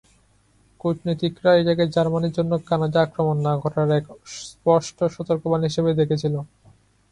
কূটনীতিকরা এটাকে জার্মানির জন্য কানাডা আক্রমণ না করার এক স্পষ্ট সতর্কবাণী হিসেবে দেখেছিল।